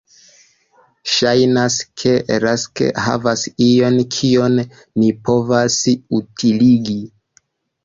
Ŝajnas ke Rask havas ion kion ni povas utiligi.